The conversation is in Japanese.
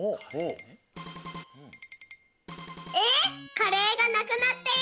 カレーがなくなっている。